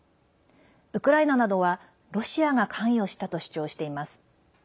ウクライナなどは、ロシアが関与したと主張しています。